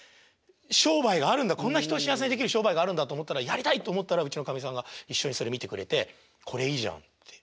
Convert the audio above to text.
こんな人を幸せにできる商売があるんだと思ったらやりたいと思ったらうちのかみさんが一緒にそれ見てくれて「これいいじゃん」って。